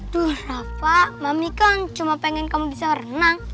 duh rafa mami kang cuma pengen kamu bisa renang